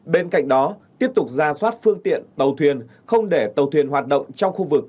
bên cạnh đó tiếp tục ra soát phương tiện tàu thuyền không để tàu thuyền hoạt động trong khu vực